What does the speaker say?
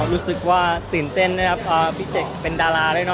รู้สึกว่าตื่นเต้นนะครับพาพี่เจกเป็นดาราด้วยเน